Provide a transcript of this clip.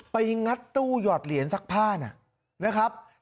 งัดตู้หยอดเหรียญซักผ้านะครับ